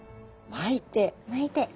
巻いて。